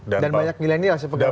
dan banyak millenials ya pegawainya